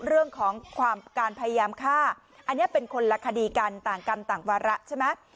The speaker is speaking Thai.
เรื่องของการพยายามฆ่าอันนี้เป็นคนละคดีกันต่างกรรมต่างวาระใช่ไหม